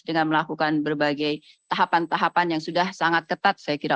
dengan melakukan berbagai tahapan tahapan yang sudah sangat ketat saya kira